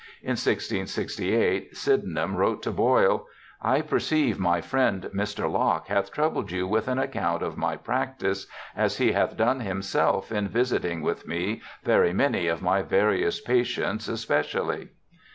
In 1668 Sydenham wrote to Boyle: 'I perceive my friend Mr. Locke hath troubled 3'OU with an account of my practice as he hath done himself in visiting with me very many of my variolous patients especially.'